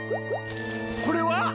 これは？